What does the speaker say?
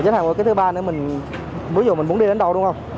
chích hai mũi cái thứ ba nữa ví dụ mình muốn đi đến đâu đúng không